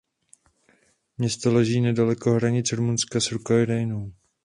Město leží nedaleko hranic Rumunska s Ukrajinou.